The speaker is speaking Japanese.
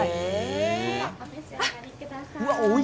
お召し上がりください。